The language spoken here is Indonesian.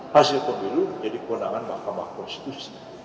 hasil pemilu menjadi keundangan mahkamah konstitusi